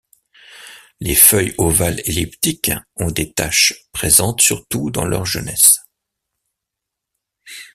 Les feuilles ovales-elliptiques ont des taches présentes surtout dans leur jeunesse.